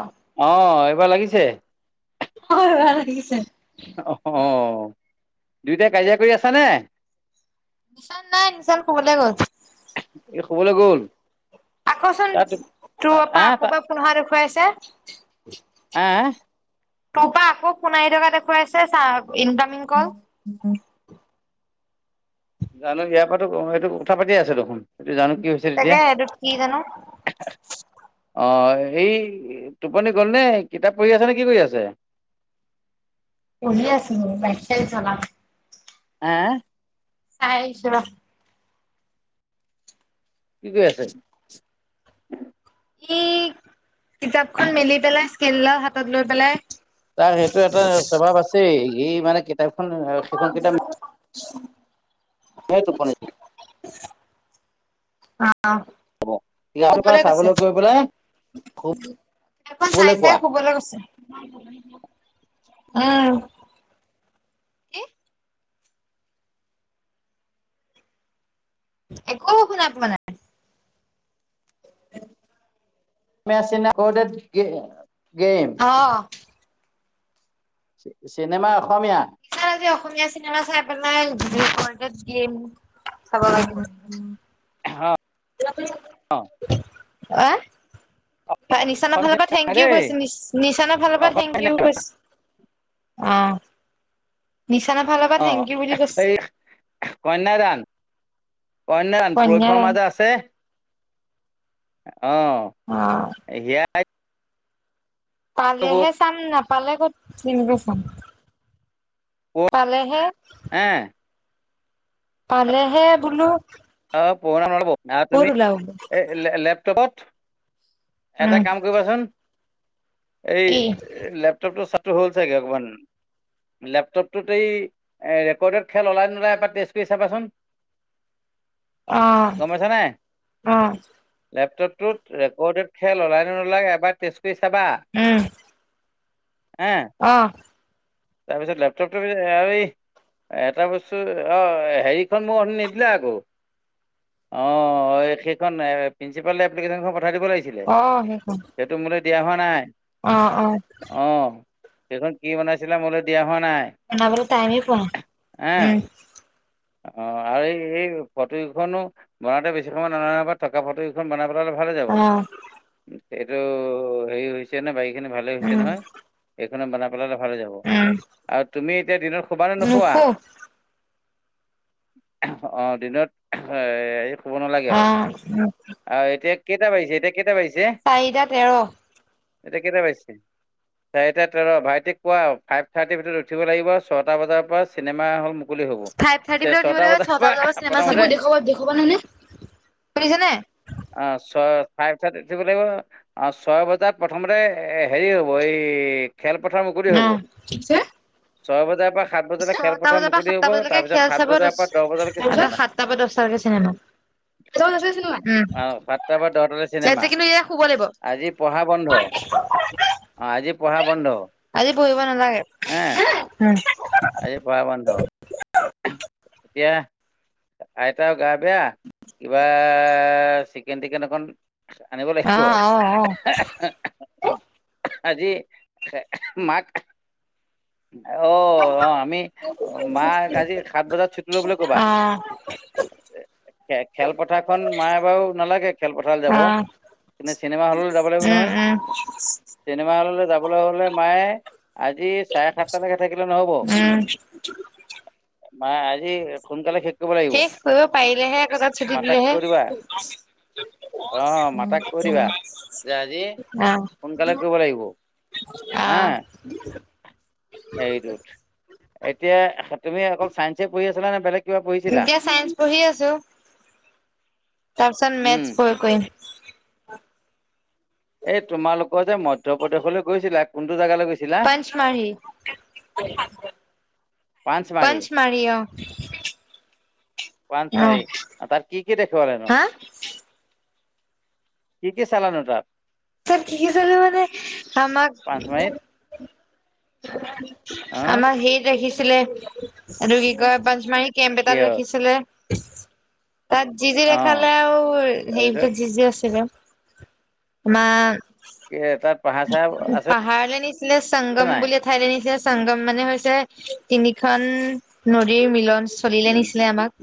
অ'। অ', এইবাৰ লাগিছে? হয় আহিছে। অ', অ', দুয়োটাই কাজিয়া কৰি আছ নে? নিশান নাই নিশান শুবলে গল। ই শুবলৈ গ'ল আকৌচোন তাত তোৰপা আহ ত আকৌ পা মুহা দেখুৱাইছে। আহ তোৰ পৰা আকৌ ফোন আহি থকা দেখুৱাইছে চা ইনকামিং কল। [inaudible] জানো ইয়াৰ পৰাো এইটো কথা পাতি আছে দেখোন এইটো জানো কি হৈছে। তাকে হে এটোত কি জানো। অঁ', এই টোপনি গ'লনে কিতাপ পঢ়ি আছেনেে কি কৰি আছে? পঢ়ি আছে [unintelligible] হে হে? চাই আহিছো ৰহ। কি কৰি আছে? ই কিতাপখন মেলি পেলাই স্কেলডাৰ হাতত লৈ পেলাই তাৰ সেইটো এটা স্বভাৱ আছে এই মানে কিতাপখন সেইখন কিতাপ মিলিলেই টোপনি [unintelligible] আহ। যাব তোমালোকৰ শুবলৈ গৈছে চাবলৈ গৈ পেলাই চাই শুবলৈ চাই কোৱা শুবলৈ গৈছে। অ'। কি? একো শুনা পোৱা নাই। [inaudible] [unintelligible] অঁ'। চিনেমা অসমীয়া। [unintelligible] আজি অসমীয়া চিনেমা চাই পেলাই [unintelligible] উম, উম। আহ? নিশানৰ ফালৰ অসমীয়া পৰা চিনেমা থেংক ইউ দেই কৈছ নিচানৰ ফালৰ পৰা অসমীয়া থেংক ইউ চিনেমা কৈছ। অ', নিচানৰ ফালৰ পৰা অঁ থেংক ইউ বুলি কৈছে। এই কন্যাদান কন্যাদান প্ৰয়গ শৰ্মা যে আছে। আহ। অ'। সেয়া পালেহে চাম নাপালে ক'ত ফিল্ম বোৰ চাম। পালেহে। হে পালেহে বোলো অ', পুৰণা নল'ব ক'ত তুমি ওলাব এই লেপটপত উম এটা কাম কৰিবাচোন। এই কি লেপটপটোৰ ছাতটো হ'ল চাগে অকমান লেপটপটোত এই ৰেকৰ্ডত খেল ওলাই নোলাই এবাৰ টেষ্ট কৰি চাবাচোন। অ গম পাইছা নাই অ লেপটপটোত ৰেকৰ্ডড খেল ওলাই নোলাই এবাৰ তেজ ত চাবা উম হে অ'। তাৰ পিছত লেপটপ টা এই এটা বস্তু অ', হেৰিখন মোক অনি নিদিলে আকৌ অ', সেইখন প্ৰিন্ঞ্চিপাল এপ্লিকেশ্যনখন পঠাই দিব লাগিছিল। অ', সেইখন। তোমোলৈ দিয়া হোৱা নাই। অ', অ'। অ', সেইখন কি বনাইছিলে মোলৈ দিয়া হোৱা নাই। টাইম এ পোৱা হা উম। অ', আৰু এই এই ফটোখনো বনাতে বেছি সময় ন থাক থ ফটোকেইখন বনাই পেলালে ভালে যাব উম অ এইটো হেৰি হৈছে হৈছে নে বাৰী খিনি ভালে হৈছে উম নহয়। এইখনত বনাই পেলালে ভাল হৈ যাব উম আৰু তুমি এতিয়া দিনত শোবা নে নোখোৱা? নুশু অ', দিনত হেৰি শুব নালাগে অ হক। অ', এতিয়া কেইটা বাজিছে এতিয়া কেইটা বাজিছে। চাৰিটা তেৰ। এতিয়া কেইটা বাজিছে। চাৰিটা তেৰ ভাইটিক কোৱা ফাইভ থাৰ্টিৰ ভিতৰত উঠিব লাগিব ছটা বজাৰ পৰা চিনেমা হ'ল মুকলি হ'ব। ফাইভ থাৰ্টি বিলাক উঠিব লাগিব ছটা বজাৰ চিনেমা চাব দোব দেখুৱাবা নহ নে শুনিছে নে? অ', ছয় চাৰে উঠিব লাগিব। অ', ছয় বজাত প্ৰথমতে হেৰি হ'ব এই খেলপথাৰ মুকলি হ'ব। অ'। ছয় বজাৰ পৰা সাত বজাত ছটা বজাৰ পৰা সাতটা বজালৈকে খেল চাব বজাৰ তাছ পৰা দহ বজালৈকে চিনেমা। সাত দহটাৰকে চিনেমা। [unintelligible] সাতটা পৰা দহটাৰে চিনেমা এতিয়া কিন্তু এয়া শুব লাগিব আজি পঢ়া বন্ধ। অ', আজি পঢ়া বন্ধ। আজি পহিব নালাগে হে উম। আজি পোৱা বন্ধ। [unintelligible] এতিয়া আইতাও গা বেয়া কিবা চিকেন টিকেন অকণ আনিব অ লাগিব। অ অ আজি মাক অ', অ', আমি মাক আজি সাত বজাত ছুটি লবলৈ বুলি ক'বা। অ খেলপথাৰখন মায়ে বাৰু নালাগে খেলপথাল অ যাব কিন্তু চিনেমা হ'ললৈ যাব লাগিব উম নহয়। উম চিনেমা হ'ললৈ যাবলৈ হ'লে মায়ে আজি চাৰে সাতটালৈকে থাকিলে নহ'ব। উম। মা আজি সোনকালে শেষ কৰিব লাগিব। শেষ কৰিব পাৰিলেহে আকৌ তাত ছুটি মাতাক দিলেহে। কৈ দিবা, অ', মাতাক কৈ দিবা যে আজি আহ সোনকালে কৰিব লাগিব আ এইটোত এতিয়া তুমি অকল চাইন্সে পঢ়ি আছিলা নে বেলেগ কিবা পঢ়িছিলা? এতিয়া চাইন্স পঢ়ি আছো তাৰপিছত উম। মেথছ পঢ়ি কৰিম। এই তোমালোকৰ যে মধ্য প্ৰদেশলৈ গৈছিলা কোনটো জেগালৈ গৈছিল? পঞ্চমঢি পাঞ্চমাৰী পঞ্চমঢ়ি অ', অ পাঞ্চমাৰী ত কি কি দেখিব লেনো? হা কি কি চালানো তাত? কি কি চো মানে আমাক পাঞ্চমাৰীত আহ আমাৰ সেইত ৰাখিছিলে এইটো কি কয় পাচমাৰী কেম্প এটাত কিহত ৰাখিছিলে। তাত জিজি আহ দেখালে আৰু তাৰপিছত সেই জিজি আছিলে। [unintelligible] এ তাত পাহাৰ চাহাৰ আছে পাহাৰ লেনিছিলে নে সংগম নাই বুলি ঠাইত নিছে সংগম মানে হৈছে তিনিখন নদীৰ মিলন। চলিলে উম নিছিলে আমাক।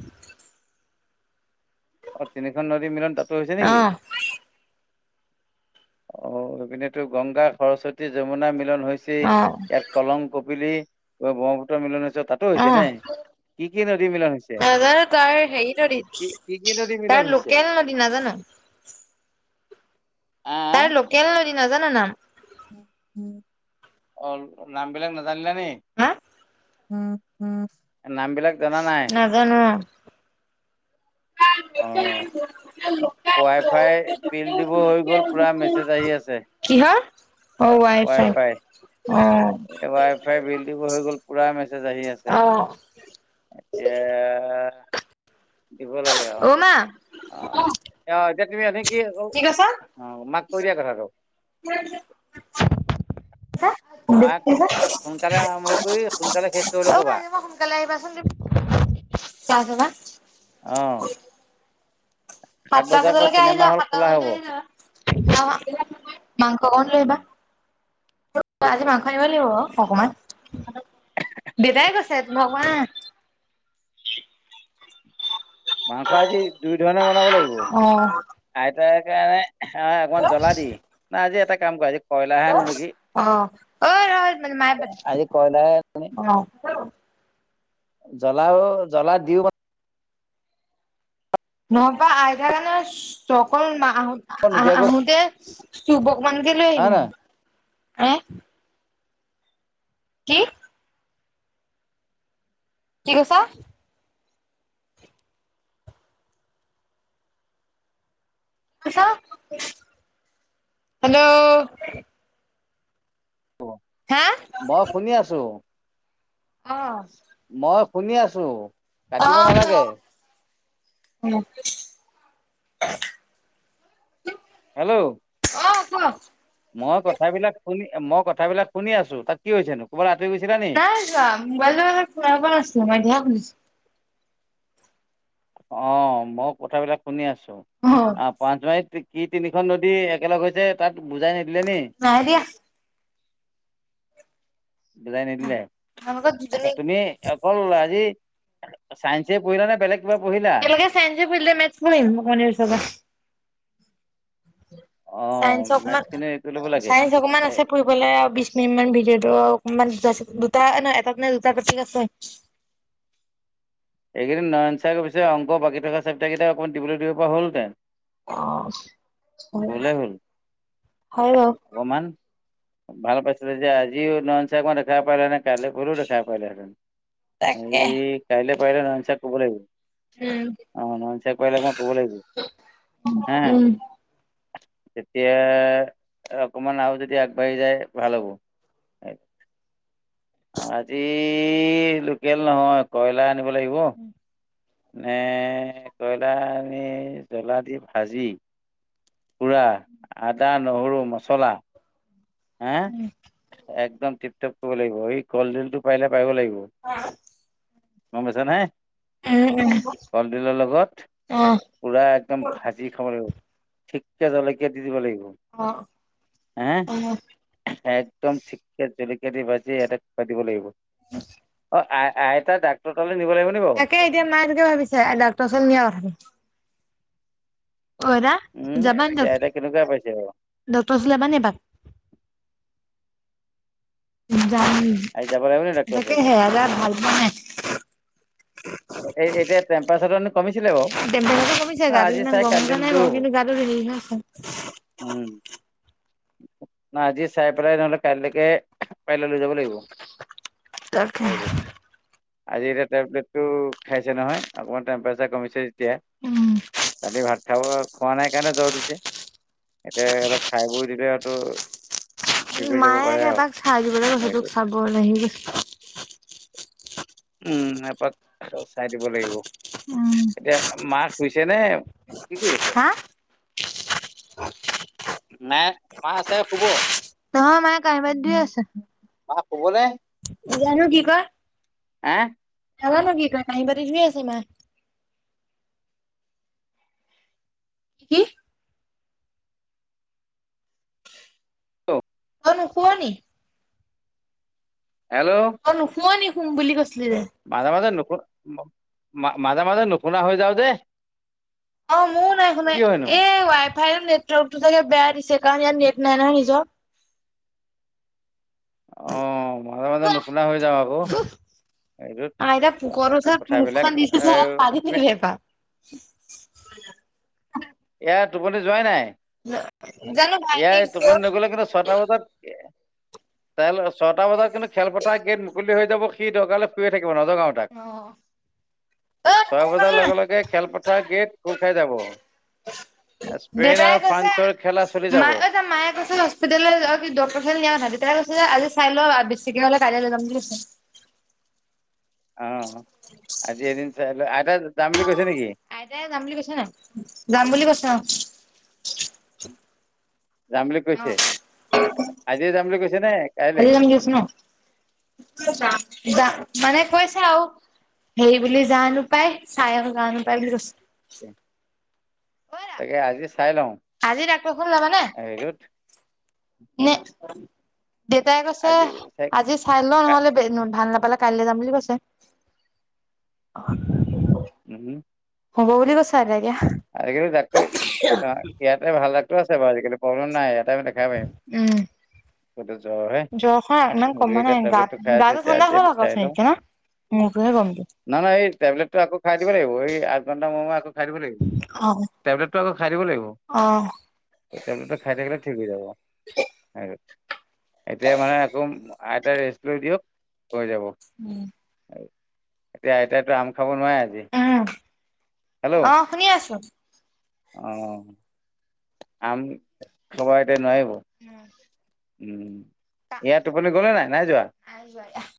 অ' তিনিখন নদী মিলন তাতো হৈছে অ নেকি? অ' সেইপনে তো গংগা সৰস্বতী যমুনা মিলন হৈছে। অ ইয়াক কলং কপিলি ব্ৰহ্মপুত্ৰ মিলন হৈছে তাত হৈছে অ কি কি নদী মিলন হৈছে? নাজানো তাৰ হেৰি নদী কি কি কি নদীৰ তাৰ মিলন হৈছে? লোকেল নদী নাজানো তাৰ নদী নাজানো নাম অ', নাম বিলাক নাজানিলা হা নাম বিলাক জনা নাই? জানো অ', উই ফাই বিল দিব হৈ গ'ল, পুৰা মেছেজ আহি আছে কিহৰ? অ', উই ফাই অ' উই ফাই বিল দিব হৈ গ'ল পুৰা মেছেজ আহি আছে অ এতিয়া দিব লাগে আৰু অ', মা অ অ', এতিয়া তুমি এনে কি, অ', মাক কৈ দিয়া কোঠা টু [inaudible] মাক সোনকালে আৰম্ভ কৰি সোনকালে শেষ কৰিবলৈ কবা। [unintelligible] অ' সাত সাতটা বজাৰ পৰা বজালৈকে আহি চিনেমা যাবা। হল সাতটা খোলা বজাত হব আহি যাব মাংস অকন লৈ আহিব আজি মাংস আনিব লাগিব অ', অকমান দেউতাই কৈছে মই কোৱা নাই মাংস আজি দুই ধৰণে বনাব লাগিব অ আইতাৰ কাৰণে হ অকণমান জ্বলা দি না আজি এটা কাম কৰা আজি কয়লাৰাহে আনো নেকি অ ঐ ৰ মানে মায়ে পাতে আজি কয়লাৰাহে মানে অ জ্বলাও জ্বলা দিও নবা আইতাৰ কাৰনে অকল আহো আহ নিদিয়াকো আহোতে সৌপ অকন মানকে লৈ হয় আহিবি নহয়? কি কি কৈছ কি কৈছ হেল্ল' হা মই শুনি আছো অ', মই শুনি আছো কাটিব নালাগে। [unintelligible] হেল্ল'। ক মই কথাবিলাক শুনি মই কথাবিলাক শুনি আছো তাত কি হৈছেনো ক'বাত আঁতৰি গৈছিলা নেকি? নাই মই মানে শুনা পোৱা নাছিলোঁ এতিয়া হে পাইছোঁ। অ', মই কথাবিলাক শুনি আছোঁ শুনিছো অ আ [unintelligible] কি তিনিখন নদী একেলগ হৈছে যে তাত বুজাই নিদিলে নি। নাই দিয়া। বুজাই নিদিলে। তোমালোকৰ দুজনী তুমি অকল আজি চাইন্স এ পঢ়িলা নে বেলেগ কিবা পঢ়িলা? [unintelligible] পঢ়িলে [unintelligible] অ' চাইন্স অকন মান মেথছ খিনি কৰি ল'ব লাগে। চায়ন্স অকন মান আছে পঢ়িবলৈ। গলে বিশ মিনিট মান ভিডিঅ'টো অকমান দুটা ন এটাত নে দুটা টপিক আছে। এইকেইদিন নয়ন চাৰ গ পছে অংক বাকী থকা চাপিটাকেইটা অকণ দিবলৈ দিব হলহতে। অ হয় ভুলে হ'ল। হয় বাৰু অগমান ভাল পাইছিলে যে আজিও ন চ ক দেখাব পাৰিল নে। কাইলৈ পল উও দে খাই পাইিল আ তাকে এই কাইলৈ পাৰিলে নয়ন শিৰক কব লাগিব। উম নায়ান চিৰক কৰি ল মই কব লাগিব হা উম তেতিয়া অকমান আৰু যদি আগবাঢ়ি যায় ভাল হ'ব। আজি লোকেল নহয় কয়লাৰ। আনিব লাগিব। উম নে কইলাৰ জ্বলা দি ভাজি। পুৰা আদা নহৰু মছলা। হা একদম টিপ টপ কৰিব লাগিব এই কলড্ৰিল টো পাই পাই লাগিব। মন গৈছা নাই উম উম কলডিলৰ লগত। অ পূৰা একদম ভাজি খাব লাগিব ঠিককৈ জলকীয়া দি দিব লাগিব। অ', হে অ'। একদম ঠিককে জলকীয়া দি ভাজি ইয়াতে ক দিব লাগিব। [unintelligible] অ', আই-আইতা ডাক্তৰালৈ নিব লাগিব নেকি বাৰু? তাকে এতিয়া ম তোকে ভিছে ডাকৰওচৰত নিয় ক ভাবি। অৰাা উম যাবা এতিয়া আইতা কেনেকুৱা পাইছে বাৰু ডকটৰ চ যাব ন এইবাক। যাম আজি যাব লাগিব নি ডাক্তৰ তাকে ওচৰলৈ সেয়াজাৰ ভাল মোৱা নাই। এ এতিয়া টেম্পাৰেচাৰ কমিছিলে বাৰু। টেম্পেচাৰটো কমিছে গা আজি কিদিনা চাই গম কাইলৈ নাই নিলেও গওঁ হ'ব কিন্তু গাটো হে আছে। উম। নহ আজি চাই পেলাই নহ'লে কাইলৈকে পাৰিলে লৈ যাব লাগিব। তাকে [unintelligible] আজি এতিয়া টেবলেট টো খাইছে নহয় অকণমান টেম্পাৰেচাৰ কমিছে। তেতিয়া উম ৰাতি ভাত। খাব খোৱা নাই কাৰণে জ্বৰ দিছে এতিয়া অলপ খাই বৈ দিলে টো। মায়ে এবাক চাই দিব লাগিব সেইটোক হেৰিটো চাব ল আহি গৈছে। উম, এপাক চাই দিব লাগিব উম এতিয়া মাহ শুইছে নে। কি কৰিছা? হা নাই মা আছে শুব। নহয় মায়ে কাহবাদ ধুই আছে। ক'ব নে। জানো কি কয়। হা। নাজানো কি কৈ কাঁহী, বাতি ধুই আছে মায়ে। কি? হেল্ল অ' ন শুৱনি। হেল্ল' অ' নুশুৱ নেকি শুম বুলি কৈছিলি যে। মাজে মাজে নু, মাজে মাজে নুশুনা হৈ যাও জে। অ' ময়ো নাই শুনোই হয়নো এই ৱাই ফাইৰ নেটৱৰ্কটো চাগে বেয়া দিছে কাৰণ ইয়াত নেট নাই নহয় নিজৰ। অ' মাজে মাজে নুশুনা হৈ যাব আৰু। অ' এইযত আইতা পোকৰ ওচৰত কথাবিলাক মুখখন দিছে যে পানী তু দিলে এইবাৰ ইয়াৰ টোপনি যোৱাই নাই, জানো ভাইটি ইয়াৰ টোপনি ক'ত নগলে কিন্তু ছটা বজাত তেইল ছয়টা বজাত কিন্তু খেলপথাৰ গেট মুকলি হৈ যাব সি দৰকাৰ হলে শুয়ে থাকিব নজগাও। অ ছয় টোপনি গ'ল বজাৰ নে নাই লগে লগে খেলপথাৰ গেট খোল খাই যাব। স্পেইন দেউতাই আৰু কৈছে, ফ্ৰান্সৰ খেলা চলি যাব অ মায় তাৰ মায়ে কৈছে হস্পিটেললৈ য কি ডকক্তৰ খিয়া তেতিয়াই কৈছে যেজি চাই লও বেছিকে হলে কাইলৈ যাম বুলি কৈছে। অ' আজি এদিন চাইো আইতা যাম বুলি কৈছে নেকি? আইতাই, যাম বুলি কৈছে ন যাম বুলি কৈছে ন। যাম বুলি অ কৈছে, আজি যাম বুলি কৈছে নে কাইলৈ আজি যাম বুলি কৈছা ন, [unintelligible] মানে কৈছে আৰু সেই বুলি জানো পায় চায়ও জান নোাপায় বুলি কৈছে। অইৰা তাকে আজি চাই লওঁ, আজি ডাক্তৰ ঘৰলে যাবানে? হটোত নে, দেউতাই কৈছে আজি চাই ল কা- নহলে ভাল নাপালে কাইলৈ যাম বুলি কৈছে। [inaudible] হব বুলি কৈছে আৰু এনেকে। আজিকালি ডাক্তৰ, অ' ইয়াতে ভাল ডাক্তৰ আছে বাৰু আজিকালি প্ৰব্লেম নাই ইয়াতে মানে [unintelligible] জ্বৰ খ ইমান গতিকে কম এতিয়া নাই, গা টেবলেটটো খাই আছে গাতে যে ঠাণ্ডা আজি হ আমি চাই লওঁ আগতচে এতিয়া। মোৰ কহে গম। নাই নাই এই োবলেট টো আক খাই দিব লাগিব, এই আঠ ঘণ্টা সময় মোৰে মোৰে আ খাই থাকিব লাগিব। অ'। টেবলেটটো আকৌ খাই দিব লাগিব। অ', লেটটো খাই থাকিল ঠিক, হৈ যাব। এতিয়া মানে আকৌ আইত ৰেষ্ট লৈ দিয়ক, হৈ যাব। উম। এতিয়া আইতয়াতো আম খাব নোৱাৰে, আজি উম, হেল্ল' অ' শুনি আছো। অ'। আম খব এতিয়া নোৱাৰিব। উম। উম ইয়াত টোপনি গ'লে নাই, নাই যোৱা। [unintelligible]